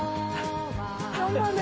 頑張れ。